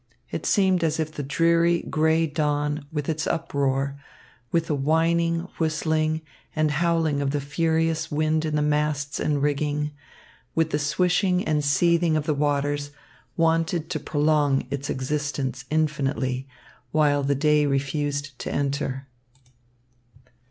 It seemed as if the dreary grey dawn, with its uproar, with the whining, whistling, and howling of the furious wind in the masts and rigging, with the swishing and seething of the waters, wanted to prolong its existence infinitely, while the day refused to enter.